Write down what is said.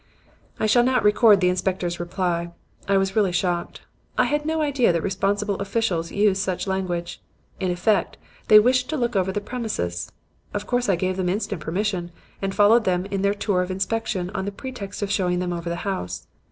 "I shall not record the inspector's reply. I was really shocked. I had no idea that responsible officials used such language. In effect, they wished to look over the premises. Of course I gave instant permission, and followed them in their tour of inspection on the pretext of showing them over the house.